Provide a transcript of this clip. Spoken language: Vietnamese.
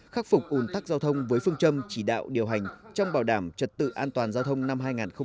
khắc phục ồn tắc giao thông với phương châm chỉ đạo điều hành trong bảo đảm trật tự an toàn giao thông năm hai nghìn một mươi bảy